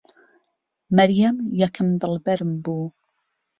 مەریەم یەکەم دڵبەرم بوو.